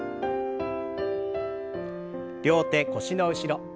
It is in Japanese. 両手腰の後ろ。